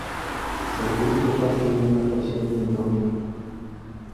Цадзіўся па шыбінах асенні дождж.